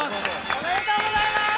おめでとうございます！